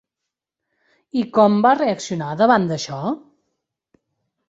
I com va reaccionar davant d'això?